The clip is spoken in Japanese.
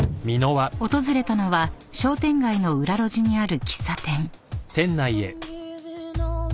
［訪れたのは商店街の裏路地にある喫茶店］